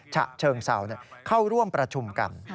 ฉะเชิงเศร้าเข้าร่วมประชุมกัน